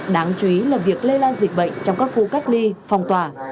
đáng chú ý là việc lây lan dịch bệnh trong các khu cách ly phòng tòa